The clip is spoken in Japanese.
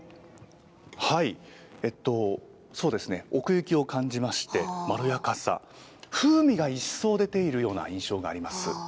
そうですね、奥行きを感じまして、まろやかさ、風味が一層出ているような印象があります。